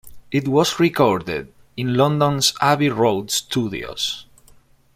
It was recorded in London's Abbey Road Studios.